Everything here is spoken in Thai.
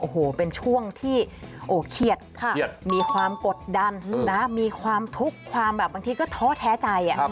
โอ้โหเป็นช่วงที่เครียดมีความกดดันนะมีความทุกข์ความแบบบางทีก็ท้อแท้ใจ